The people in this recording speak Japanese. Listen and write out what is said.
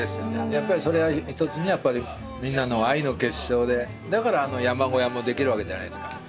やっぱりそれは一つにはみんなの愛の結晶でだからあの山小屋もできるわけじゃないですか。